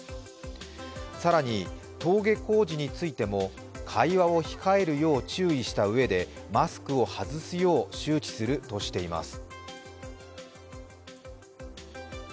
更に、登下校時についても会話を控えるよう注意したうえでマスクを外すよう周知するとしています。